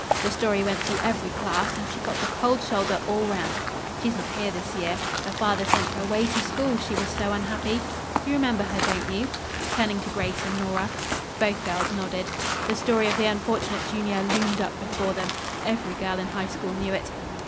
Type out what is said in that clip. The story went through every class, and she got the cold shoulder all around. She's not here this year. Her father sent her away to school, she was so unhappy. You remember her, don't you?" turning to Grace and Nora. Both girls nodded. The story of the unfortunate junior loomed up before them. Every girl in High School knew it.